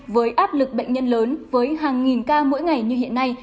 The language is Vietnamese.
với áp lực bệnh nhân lớn với hàng nghìn ca mỗi ngày như hiện nay